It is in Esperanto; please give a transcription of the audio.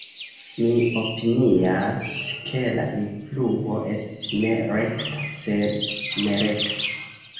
Mi opinias, ke la influo estis ne rekta, sed nerekta.